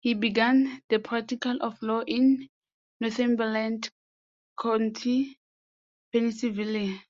He began the practice of law in Northumberland County, Pennsylvania.